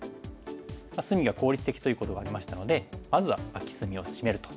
隅が効率的ということがありましたのでまずはアキ隅をシメると。